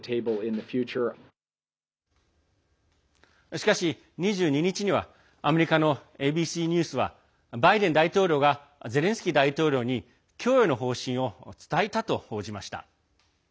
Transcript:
しかし、２２日にはアメリカＮＢＣニュースはバイデン大統領がゼレンスキー大統領に供与の方針を伝えたと報じました。